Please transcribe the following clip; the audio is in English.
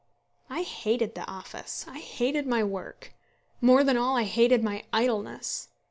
I hated the office. I hated my work. More than all I hated my idleness.